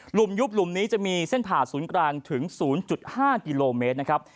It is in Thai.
ยุบหลุมนี้จะมีเส้นผ่าศูนย์กลางถึง๐๕กิโลเมตรนะครับ